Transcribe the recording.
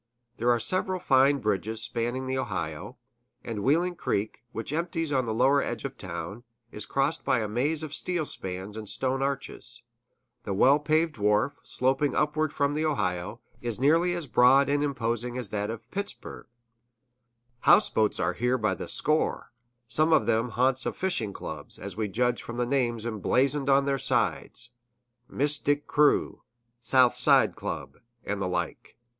There are several fine bridges spanning the Ohio; and Wheeling Creek, which empties on the lower edge of town, is crossed by a maze of steel spans and stone arches; the well paved wharf, sloping upward from the Ohio, is nearly as broad and imposing as that of Pittsburg;[A] houseboats are here by the score, some of them the haunts of fishing clubs, as we judge from the names emblazoned on their sides "Mystic Crew," "South Side Club," and the like.